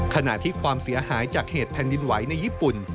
ขณะที่ความเสียหายจากเหตุแผ่นดินไหวในญี่ปุ่น